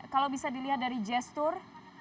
kalau bisa dilihat dari gestur